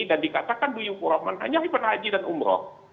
dan dikatakan dhu yufur rahman hanya ivan haji dan umroh